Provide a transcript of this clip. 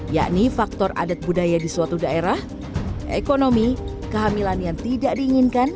yakni faktor adat budaya di suatu daerah ekonomi kehamilan yang tidak diinginkan